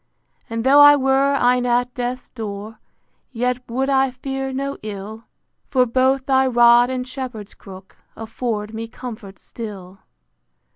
And tho' I were e'en at death's door, Yet would I fear no ill: For both thy rod and shepherd's crook Afford me comfort still.